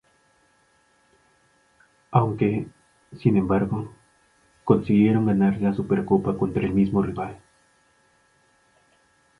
Aunque, sin embargo, consiguieron ganar la Supercopa contra el mismo rival.